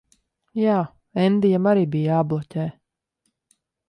Jā. Endijam arī bija jābloķē.